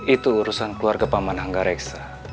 itu urusan keluarga paman angga reksa